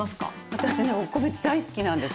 私ねお米大好きなんです。